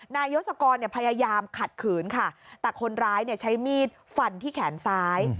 ยศกรพยายามขัดขืนค่ะแต่คนร้ายใช้มีดฟันที่แขนซ้าย